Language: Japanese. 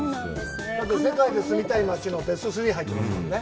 世界で住みたい街のベスト３に入ってますもんね。